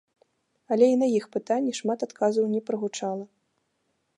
Але і на іх пытанні шмат адказаў не прагучала.